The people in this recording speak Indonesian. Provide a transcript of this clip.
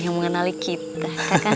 yang mengenali kita